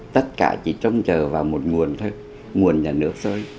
tất cả chỉ trông chờ vào một nguồn thôi nguồn nhà nước thôi